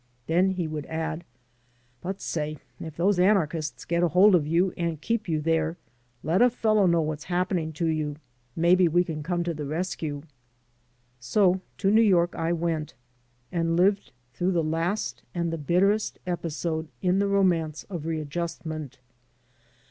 Then he would add, "But, say, if those anarchists get a hold of you and keep you there, let a fellow know what's happening to you. Maybe we can come to the rescue." So to New York I went, and lived through the last and the bitterest episode in the romance of readjustment.